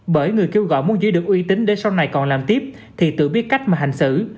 bởi người kêu gọi muốn giữ được uy tín để sau này còn làm tiếp thì tự biết cách mà hành xử